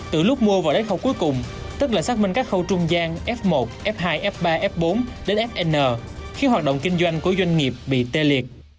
từ lúc mua và đến khâu cuối cùng tức là xác minh các khâu trung gian f một f hai f ba f bốn đến fn khiến hoạt động kinh doanh của doanh nghiệp bị tê liệt